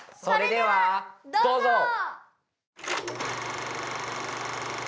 それではどうぞ！